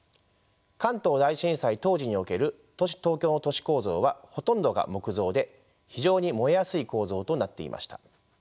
関東大震災当時における東京の都市構造はほとんどが木造で非常に燃えやすい構造となっていました。